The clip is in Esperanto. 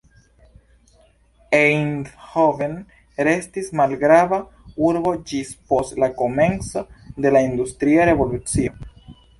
Eindhoven restis malgrava urbo ĝis post la komenco de la industria revolucio.